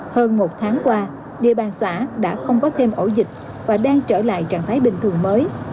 hơn một tháng qua địa bàn xã đã không có thêm ổ dịch và đang trở lại trạng thái bình thường mới